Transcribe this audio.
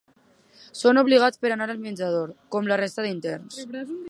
Són obligats a anar al menjador, com la resta d’interns.